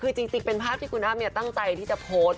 คือจริงเป็นภาพที่คุณอ้ำตั้งใจที่จะโพสต์